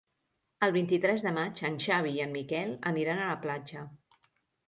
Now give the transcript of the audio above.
El vint-i-tres de maig en Xavi i en Miquel aniran a la platja.